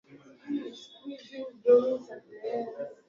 Christian anapenda kuongea kiingereza